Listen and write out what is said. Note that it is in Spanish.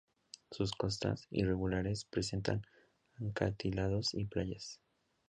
Sus costas, irregulares, presentan acantilados y playas.